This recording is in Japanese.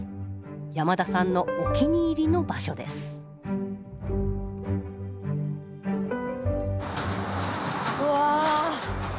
山田さんのお気に入りの場所ですうわ！